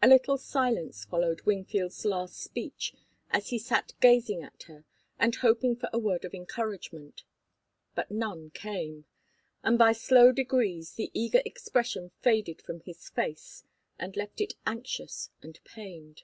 A little silence followed Wingfield's last speech, as he sat gazing at her and hoping for a word of encouragement. But none came, and by slow degrees the eager expression faded from his face and left it anxious and pained.